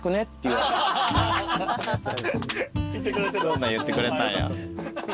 そんなん言ってくれたんや。